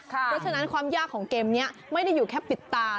เพราะฉะนั้นความยากของเกมนี้ไม่ได้อยู่แค่ปิดตา